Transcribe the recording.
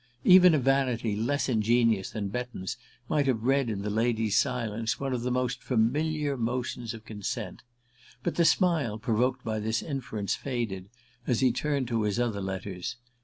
Even a vanity less ingenious than Betton's might have read in the lady's silence one of the most familiar motions of consent; but the smile provoked by this inference faded as he turned to his other letters.